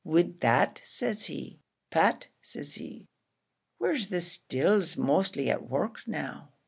Wid that, says he, 'Pat,' says he, 'where's the stills mostly at work now?'